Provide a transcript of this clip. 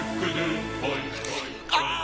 ああ！